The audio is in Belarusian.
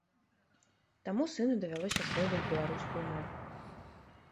Таму сыну давялося асвойваць беларускую мову.